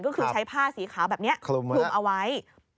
ก็คือใช้ผ้าสีขาวแบบนี้คลุมเอาไว้